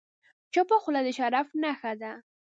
چپه خوله، د شرف نښه ده.